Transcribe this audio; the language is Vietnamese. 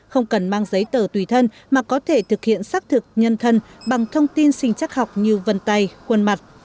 không cần mang giấy tờ tùy thân mà có thể thực hiện xác thực nhân thân bằng thông tin sinh chắc học như vân tay quân mặt